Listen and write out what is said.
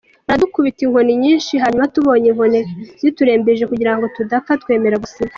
Baradukubita inkoni nyinshi hanyuma tubonye inkoni ziturembeje kugirango tudapfa twemera gusinya.